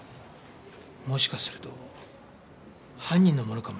もしかすると犯人のものかもしれない。